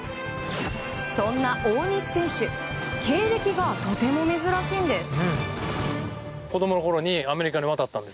そんな大西選手経歴がとても珍しいんです。